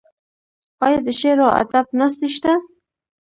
آیا د شعر او ادب ناستې شته؟